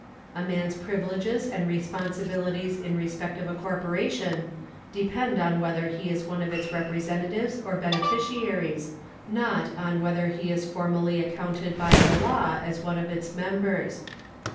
A man's privileges and responsibilities in respect of a corporation depend on whether he is one of its representatives or beneficiaries, not on whether he is formally accounted by the law as one of its members.